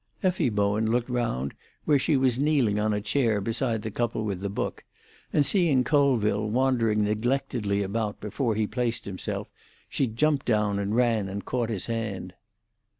Effie Bowen looked round where she was kneeling on a chair beside the couple with the book, and seeing Colville wandering neglectedly about before he placed himself, she jumped down and ran and caught his hand.